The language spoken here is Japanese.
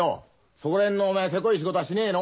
そこら辺のせこい仕事はしねえの。